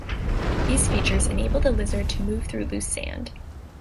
These features enable the lizard to move through loose sand.